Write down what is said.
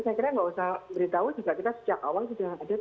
saya kira tidak usah beritahu juga kita sejak awal sudah ada terhapang untuk itu